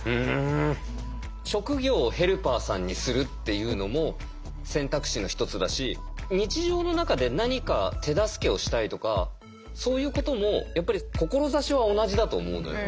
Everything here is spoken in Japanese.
職業をヘルパーさんにするっていうのも選択肢の１つだし日常の中で何か手助けをしたいとかそういうこともやっぱり志は同じだと思うのよ。